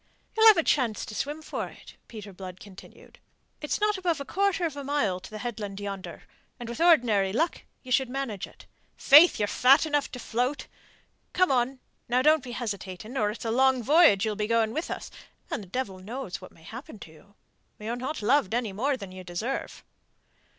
"You shall have a chance to swim for it," Peter Blood continued. "It's not above a quarter of a mile to the headland yonder, and with ordinary luck ye should manage it. Faith, you're fat enough to float. Come on! Now, don't be hesitating or it's a long voyage ye'll be going with us, and the devil knows what may happen to you. You're not loved any more than you deserve."